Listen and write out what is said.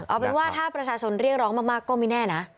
เอาเป็นว่าถ้าประชาชนเรียกร้องมากก็ไม่แน่นะ